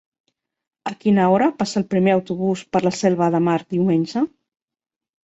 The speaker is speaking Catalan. A quina hora passa el primer autobús per la Selva de Mar diumenge?